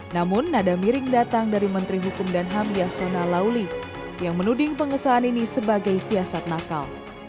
namun nada miring datang dari menteri hukum dan ham yasona lauli yang menuding pengesahan ini sebagai siasat nakal